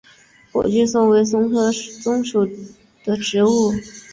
火炬松为松科松属的植物。